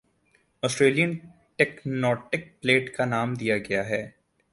Australian tectonic plate کا نام دیا گیا ہی